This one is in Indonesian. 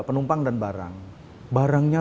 penumpang dan barang barangnya